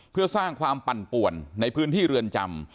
เพื่อสร้างความปั่นป่วนในพื้นที่เรือนจำ